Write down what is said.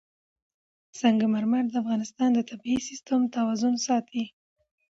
سنگ مرمر د افغانستان د طبعي سیسټم توازن ساتي.